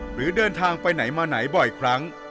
หรือเดินทางไปไหนมาไหนบ่อยครั้ง